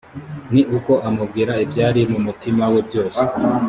ni uko amubwira ibyari mu mutima we byose